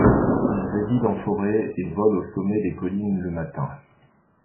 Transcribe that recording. Il réside en forêt et vole au sommet des collines le matin.